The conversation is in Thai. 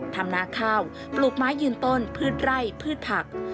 นาข้าวปลูกไม้ยืนต้นพืชไร่พืชผัก